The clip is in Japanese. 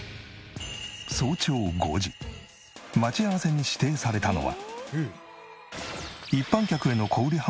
待ち合わせに指定されたのは。